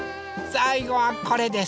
さいごはこれです。